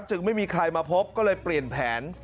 จึงไม่มีใครมาพบก็เลยเปลี่ยนแผน